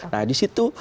nah di situ